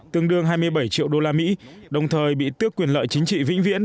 tương đương hai mươi bảy triệu đô la mỹ đồng thời bị tước quyền lợi chính trị vĩnh viễn